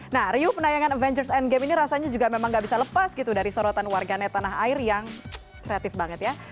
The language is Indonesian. nah riuh penayangan avengers endgame ini rasanya juga memang gak bisa lepas gitu dari sorotan warganet tanah air yang kreatif banget ya